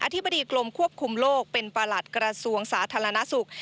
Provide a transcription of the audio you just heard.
ธิบดีกรมควบคุมโลกเป็นประหลัดกระทรวงสาธารณสุข